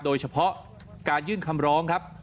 โดยเฉพาะการยื่นคำร้องครับ